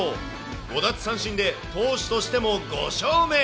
５奪三振で投手としても５勝目。